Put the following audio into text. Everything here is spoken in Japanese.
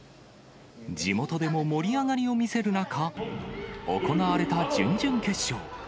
地元でも盛り上がりを見せる中、行われた準々決勝。